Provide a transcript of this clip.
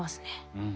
うん。